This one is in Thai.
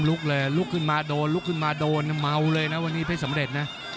ลุกเลยลุกขึ้นมาโดนลุกขึ้นมาโดนเมาเลยนะวันนี้เพชรสำเร็จนะ